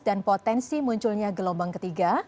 dan potensi munculnya gelombang ketiga